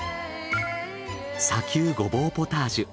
砂丘ゴボウポタージュ。